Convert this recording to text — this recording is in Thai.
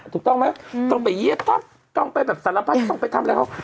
ถูกต้องไหมต้องไปเยี๊ยดต้องไปสารพัฒน์ต้องไปทำอะไร